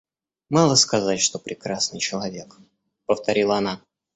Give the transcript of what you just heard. Мало сказать, что прекрасный человек, — повторила она.